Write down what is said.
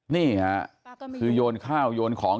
นี่ค่ะคือโยนข้าวโยนของ